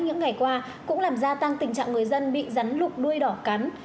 những ngày qua cũng làm gia tăng tình trạng người dân bị rắn lục đuôi đỏ cắn